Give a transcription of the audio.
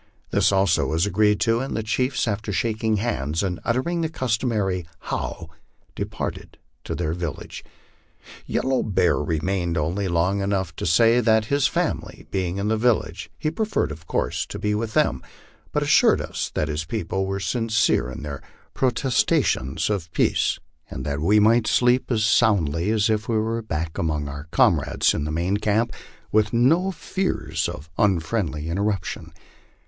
This also was agreed to, and the chiefs, after shaking hands and uttering the customary "How," departed to their village. Yellow Bear remained only long enough to say that, his family being in the village, he preferred, of course, to be with them, but assured us that his people were sincere in their protestations of peace, and that we might sleep as soundly as if we were back among our comrades, in the main camp, with no fears of unfriendly interruption.